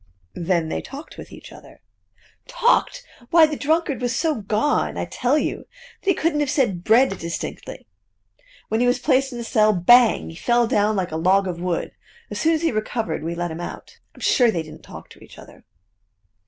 "Then they talked with each other." "Talked? Why, the drunkard was so 'gone' I tell you, that he couldn't have said 'bread' distinctly. When he was placed in a cell, bang! He fell down like a log of wood. As soon as he recovered, we let him out. I'm sure, they didn't talk to each other."